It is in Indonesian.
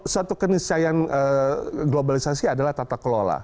satu keniscayaan globalisasi adalah tata kelola